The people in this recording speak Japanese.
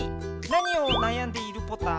何をなやんでいるポタ？